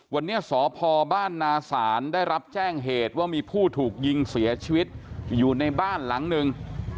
วันนี้สพบ้านนาศาลได้รับแจ้งเหตุว่ามีผู้ถูกยิงเสียชีวิตอยู่ในบ้านหลังหนึ่ง